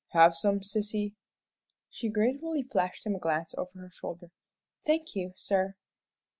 "Have some, sissy?" She gratefully flashed him a glance over her shoulder. "Thank you, sir."